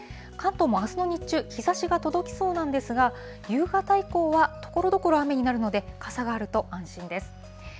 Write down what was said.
関東もあすの日中、日ざしが届きそうなんですが、夕方以降は、ところどころ雨になるので、傘があると安心です。